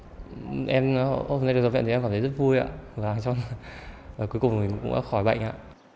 và em hôm nay được giải quyết thì em cảm thấy rất vui ạ và cuối cùng mình cũng đã khỏi bệnh ạ